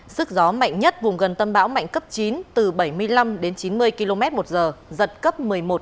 sức gió mạnh nhất vùng gần tâm bão mạnh cấp chín từ bảy mươi năm đến chín mươi km một giờ giật cấp một mươi một một mươi hai